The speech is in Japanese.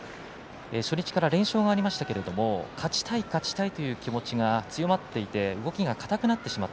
初日から連勝はありましたけれども、勝ちたい勝ちたいという気持ちが強まっていて動きが硬くなってしまった。